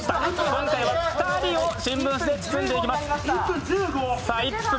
今回は２人を新聞紙でくるんでいきます。